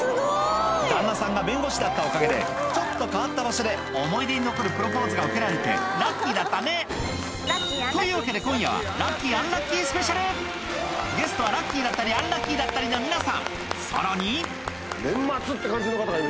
旦那さんが弁護士だったおかげでちょっと変わった場所で思い出に残るプロポーズが受けられてラッキーだったねというわけで今夜はゲストはラッキーだったりアンラッキーだったりな皆さんさらに年末って感じの方が。